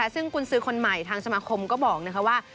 ซึ่งกุญสือคนใหม่ทางสมาคมก็บอกว่า